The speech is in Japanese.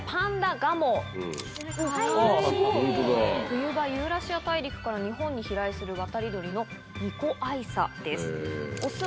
冬場、ユーラシア大陸から日本に飛来する渡り鳥のミコアイサです。